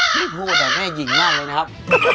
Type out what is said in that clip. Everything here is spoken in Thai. พูดแบบแม่หญิงมากเลยนะครับ